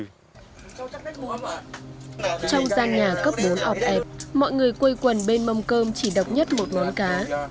trong gian nhà cấp bốn ọc ẹp mọi người quây quần bên mông cơm chỉ đọc nhất một món cá